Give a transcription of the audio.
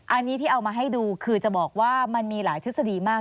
อันนี้ที่เอามาให้ดูคือจะบอกว่ามันมีหลายทฤษฎีมาก